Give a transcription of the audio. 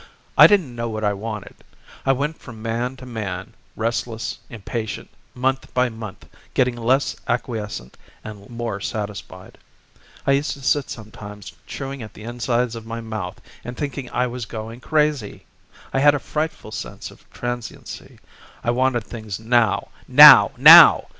I didn't know what I wanted. I went from man to man, restless, impatient, month by month getting less acquiescent and more dissatisfied. I used to sit sometimes chewing at the insides of my mouth and thinking I was going crazy I had a frightful sense of transiency. I wanted things now now now!